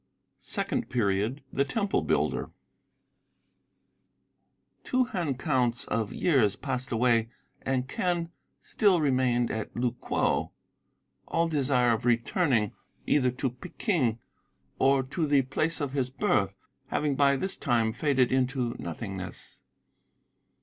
SECOND PERIOD THE TEMPLE BUILDER Two hand counts of years passed away and Quen still remained at Lu kwo, all desire of returning either to Peking or to the place of his birth having by this time faded into nothingness.